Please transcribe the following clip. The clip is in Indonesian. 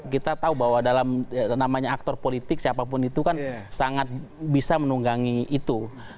kita tahu bahwa dalam namanya aktor politik siapapun itu kan sangat bisa menunggangi itu